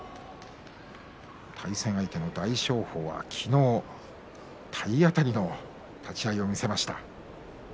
対戦相手の大翔鵬は昨日体当たりの立ち合いを見せました。